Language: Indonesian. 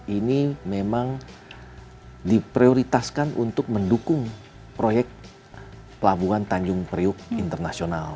ini memang diprioritaskan untuk mendukung proyek pelabuhan tanjung priuk internasional